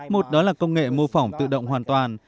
một đó là công nghệ mô phỏng tự động hoàn toàn